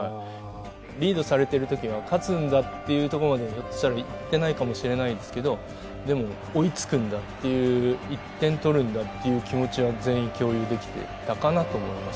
リードされてる時は勝つんだっていうとこまではひょっとしたらいってないかもしれないですけどでも追い付くんだっていう１点取るんだっていう気持ちは全員共有できていたかなと思いますね。